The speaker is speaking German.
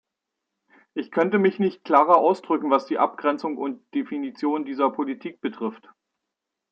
Ich könnte mich nicht klarer ausdrücken, was die Abgrenzung und Definition dieser Politik betrifft.